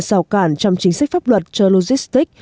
rào cản trong chính sách pháp luật cho logistic